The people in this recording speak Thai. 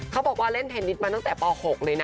เขาบอกว่าเล่นเทนนิสมาตั้งแต่ป๖เลยนะ